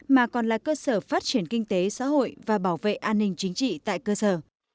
mà còn là cơ sở phát triển kinh tế xã hội và bảo vệ an ninh chính trị tại cơ sở